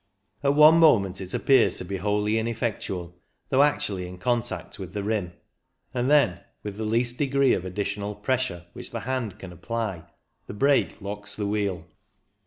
At one moment it appears to be wholly in effectual, though actually in contact with the rim, and then, with the least degree of additional pressure which the hand can apply, the brake locks the wheel.